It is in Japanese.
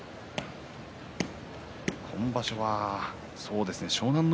今場所は湘南乃